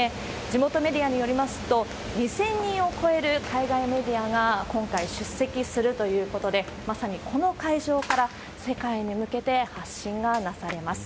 地元メディアによりますと、２０００人を超える海外メディアが、今回出席するということで、まさにこの会場から、世界に向けて発信がなされます。